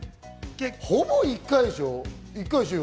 ほぼ１回でしょう？